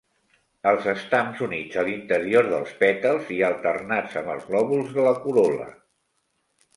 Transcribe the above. Els estams units a l'interior dels pètals i alternats amb els lòbuls de la corol·la.